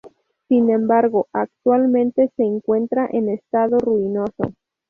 Sin embargo, actualmente se encuentra en estado ruinoso.